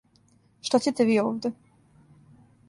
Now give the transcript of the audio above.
Шта ћете ви овде?